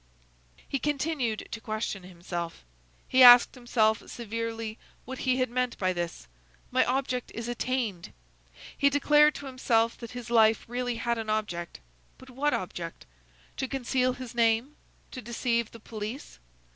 He continued to question himself. He asked himself severely what he had meant by this, "My object is attained!" He declared to himself that his life really had an object; but what object? To conceal his name? To deceive the police?